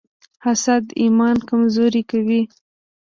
حسد ایمان کمزوری کوي.